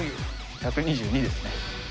１２２ですね。